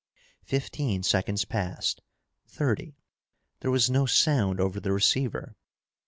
Fifteen seconds passed. Thirty. There was no sound over the receiver.